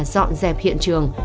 dọn dẹp hiện trường